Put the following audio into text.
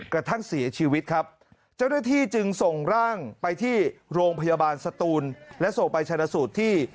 กระทั่งเสียชีวิตครับเจ้าหน้าที่จึงส่งร่างไปที่โรงพยาบาลสตูนและส่งไปชนะสูตรที่